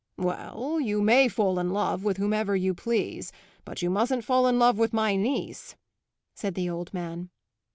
"Well, you may fall in love with whomsoever you please; but you mustn't fall in love with my niece," said the old man.